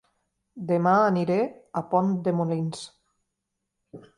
Dema aniré a Pont de Molins